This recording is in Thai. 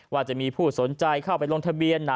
ว่าจะมีผู้สนใจเข้าไปลงทะเบียน